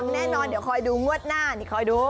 แน่นอนเดี๋ยวคอยดูงวดหน้านี่คอยดู